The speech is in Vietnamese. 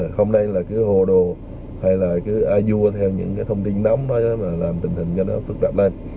không nên là cứ hồ đồ hay là cứ ai vua theo những thông tin nóng đó để làm tình hình cho nó phức tạp lên